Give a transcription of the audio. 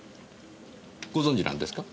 ご存じなんですか？